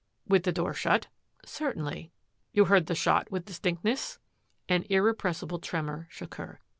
"With the door shut?" « Certainly." "You heard the shot with distinctness?" An irrepressible tremor shook her.